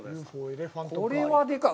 これはでかい。